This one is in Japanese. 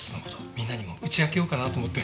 みんなにも打ち明けようかなと思って。